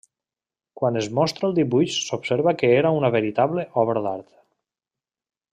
Quan es mostra el dibuix s'observa que era una veritable obra d'art.